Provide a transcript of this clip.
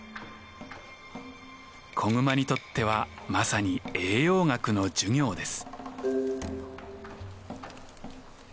子グマにとってはまさに栄養学の授業です。